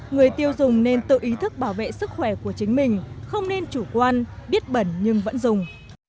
người tiêu dùng nên tự ý thức bảo vệ sức khỏe của chính mình không nên chủ quan biết bẩn nhưng vẫn dùng